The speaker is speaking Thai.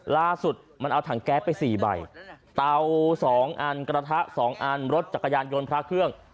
ล่าสุดมันเอาถังแก๊สไป๔ใบเตา๒อันกระทะ๒อันรถจักรยานยนต์พระเครื่อง